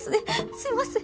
すいません。